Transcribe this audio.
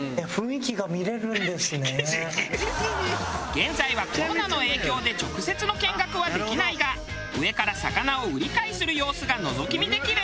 現在はコロナの影響で直接の見学はできないが上から魚を売り買いする様子がのぞき見できる。